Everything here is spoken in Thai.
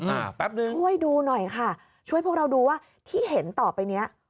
แป๊บนึงช่วยดูหน่อยค่ะช่วยพวกเราดูว่าที่เห็นต่อไปเนี้ย